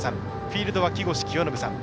フィールドは木越清信さん